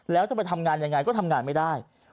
แล้วจะไปทำงานยังไงก็ทำงานไม่ได้